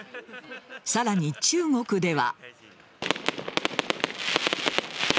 さらに中国では。